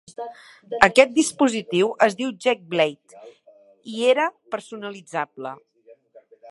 Aquest dispositiu es diu "Jake Blade" i era personalitzable.